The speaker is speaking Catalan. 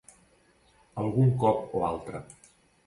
Algun cop o altre.